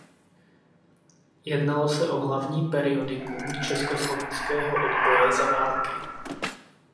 Jednalo se o hlavní periodikum československého odboje za války.